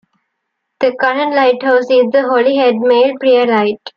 The current lighthouse is the Holyhead Mail Pier Light.